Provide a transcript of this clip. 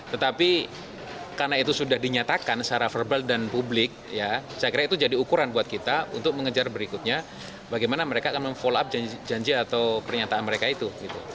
tetapi karena itu sudah dinyatakan secara verbal dan publik ya saya kira itu jadi ukuran buat kita untuk mengejar berikutnya bagaimana mereka akan mem follow up janji atau pernyataan mereka itu